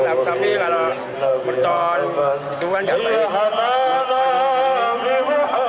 tapi kalau percon hidungan dan lainnya